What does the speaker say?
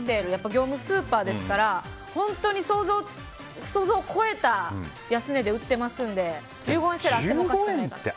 業務スーパーですから本当に想像を超えた安値で売ってますので１５円セールあってもおかしくない。